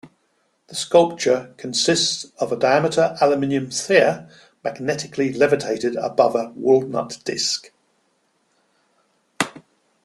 The sculpture consists of an diameter aluminum sphere magnetically levitated above a walnut disc.